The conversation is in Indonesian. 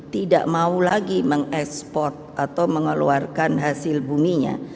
tidak mau lagi mengekspor atau mengeluarkan hasil buminya